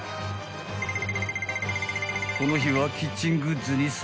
［この日はキッチングッズに掃除グッズ